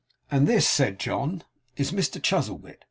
'And this,' said John, 'is Mr Chuzzlewit.